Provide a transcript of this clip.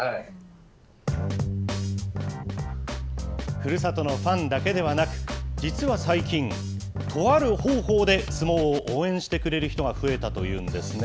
ふるさとのファンだけではなく、実は最近、とある方法で相撲を応援してくれる人が増えたというんですね。